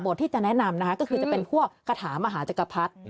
ที่จะแนะนำนะคะก็คือจะเป็นพวกคาถามหาจักรพรรดิ